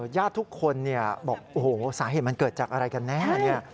ญาติทุกคนบอกโอ้โหสาเหตุมันเกิดจากอะไรกันแน่